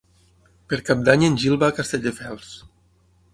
Per Cap d'Any en Gil va a Castelldefels.